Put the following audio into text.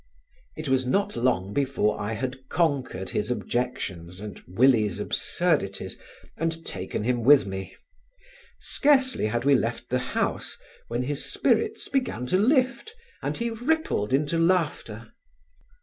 It was not long before I had conquered his objections and Willie's absurdities and taken him with me. Scarcely had we left the house when his spirits began to lift, and he rippled into laughter.